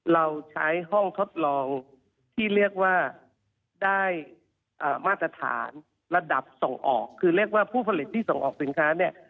เราใช้ห้องทดลองที่เรียกว่าได้มาตรฐานระดับส่งออกคือเรียกว่าผู้ผลิตที่ส่งออกสินค้าเนี่ย